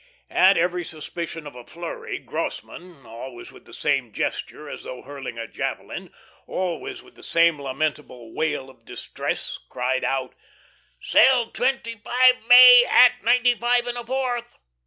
At every suspicion of a flurry Grossmann, always with the same gesture as though hurling a javelin, always with the same lamentable wail of distress, cried out: "'Sell twenty five May at ninety five and a fourth."